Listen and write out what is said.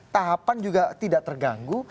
tahapan juga tidak terganggu